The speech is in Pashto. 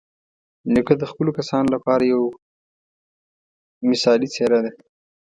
نیکه د خپلو کسانو لپاره یوه مثالي څېره ده.